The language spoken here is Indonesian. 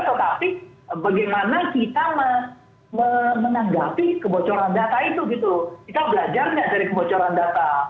jadi bagaimana kita menanggapi kebocoran data itu kita belajar nggak dari kebocoran data